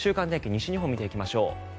西日本見ていきましょう。